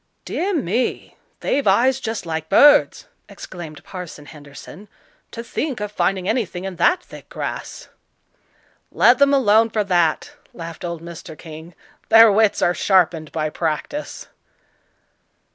"Dear me! they've eyes just like birds!" exclaimed Parson Henderson; "to think of finding anything in that thick grass." "Let them alone for that," laughed old Mr. King; "their wits are sharpened by practice."